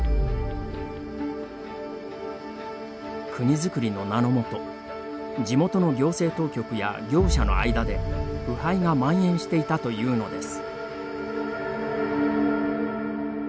国づくりの名の下地元の行政当局や業者の間で腐敗がまん延していたというのです。